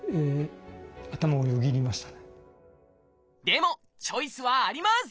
でもチョイスはあります！